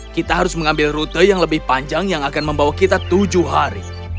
kita harus mengambil rute yang lebih panjang yang akan membawa kita tujuh hari